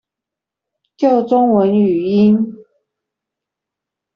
救中文語音